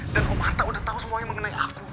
dan om arta udah tau semuanya mengenai aku